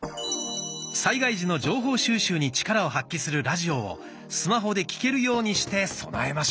災害時の情報収集に力を発揮するラジオをスマホで聴けるようにして備えましょう。